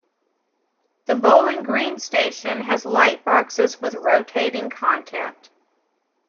The Bowling Green station has lightboxes with rotating content.